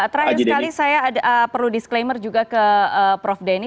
terakhir sekali saya perlu disclaimer juga ke prof denny